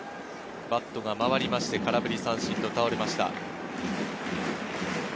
バットが回って空振り三振に倒れました。